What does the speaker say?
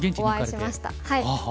はい。